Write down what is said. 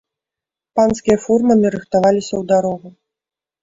Панскія фурманы рыхтаваліся ў дарогу.